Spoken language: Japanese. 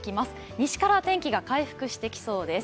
西から天気が回復してきそうです。